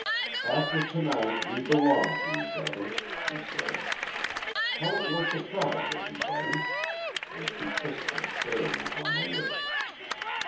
"After to night we belong to each other," she said. "How it will surprise everybody," and she kissed him fairly on the lips.